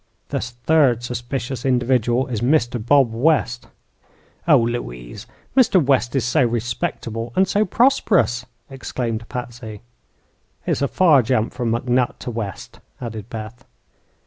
The third suspicious individual is Mr. Bob West." "Oh, Louise! Mr. West is so respectable, and so prosperous," exclaimed Patsy. "It's a far jump from McNutt to West," added Beth.